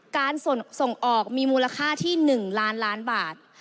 การส่งออกมีมูลค่าที่๑ล้านล้านบาท